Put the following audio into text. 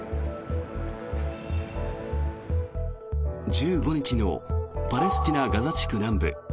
１５日のパレスチナ・ガザ地区南部。